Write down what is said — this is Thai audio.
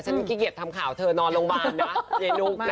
ฉันขี้เกียจทำข่าวเธอนอนโรงพยาบาลนะเยนุนะคะ